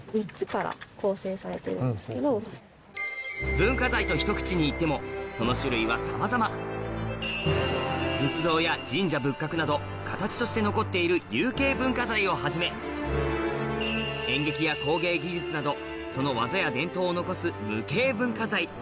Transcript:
文化財とひと口にいってもその種類はさまざま仏像や神社仏閣など形として残っている有形文化財をはじめ演劇や工芸技術などその技や伝統を残す無形文化財